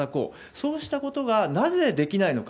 そうしたことがなぜできないのか。